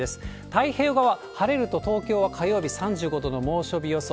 太平洋側、晴れると東京は火曜日、３５度の猛暑日予想。